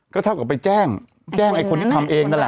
ก็เท่ากับไปแจ้งแจ้งไอ้คนที่ทำเองนั่นแหละ